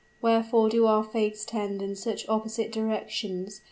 wherefore do our fates tend in such opposite directions?